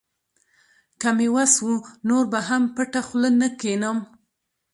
که مې وس و، نور به هم پټه خوله نه کښېنم.